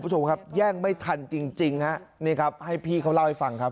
คุณผู้ชมครับแย่งไม่ทันจริงจริงฮะนี่ครับให้พี่เขาเล่าให้ฟังครับ